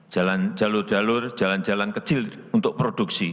jalur jalur jalan jalan kecil untuk produksi